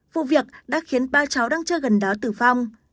vụ việc đã khiến ba cháu đang chơi gần đó tử vong